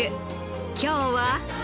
今日は